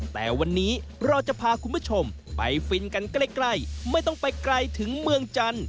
แต่วันนี้เราจะพาคุณผู้ชมไปฟินกันใกล้ไม่ต้องไปไกลถึงเมืองจันทร์